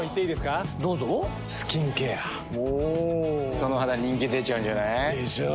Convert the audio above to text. その肌人気出ちゃうんじゃない？でしょう。